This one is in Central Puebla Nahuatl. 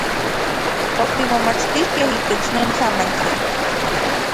Otimomachtikej itech non tlamantli.